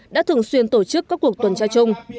đã thường xuyên tổ chức các cuộc tuần tra chung